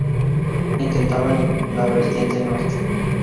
Intentaban la vertiente Norte.